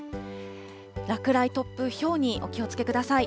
落雷、突風、ひょうにお気をつけください。